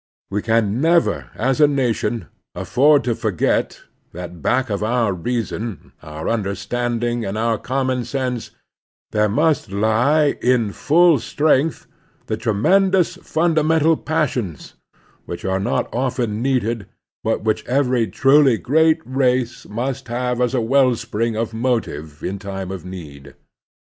We can never as a nation afford to forget that, back of our reason, our understanding, and our «6o The Strenuous Life common sense, there must lie, in fuU strength, the tremendous ftmdamental passions, which are not often needed, but which every truly great race must have as a well spring of motive in time of need.